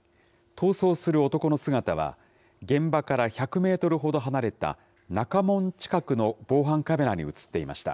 逃走する男の姿は、現場から１００メートルほど離れた中門近くの防犯カメラに写っていました。